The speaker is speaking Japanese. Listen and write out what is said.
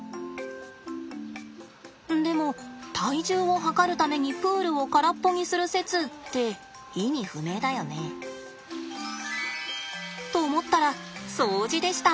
でも体重を量るためにプールを空っぽにする説って意味不明だよね。と思ったら掃除でした。